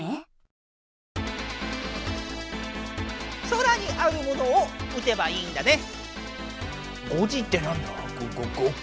空にあるものを撃てばいいんだね。